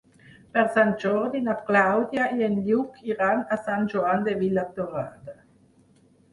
Per Sant Jordi na Clàudia i en Lluc iran a Sant Joan de Vilatorrada.